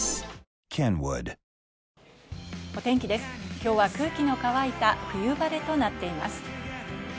今日は空気の乾いた冬晴れとなっています。